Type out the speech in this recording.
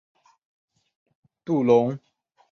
杜龙河畔圣迪迪耶人口变化图示